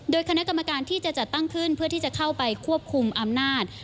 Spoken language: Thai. โดยคณะกรรมการที่จะจัดตั้งขึ้นเพื่อที่จะเข้าไปควบคุมอำนาจ